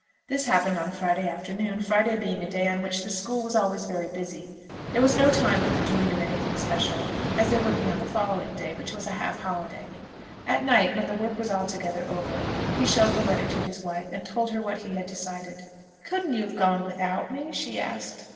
This happened on Friday afternoon, Friday being a day on which the school was always very busy. There was no time for the doing of anything special, as there would be on the following day, which was a half holiday. At night, when the work was altogether over, he showed the letter to his wife, and told her what he had decided. "Couldn't you have gone without me?" she asked.